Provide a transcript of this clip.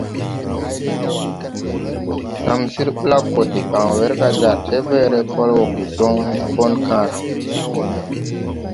Tamsir blaggo deban werga jar tebęęre kol wo go jon bon kããra.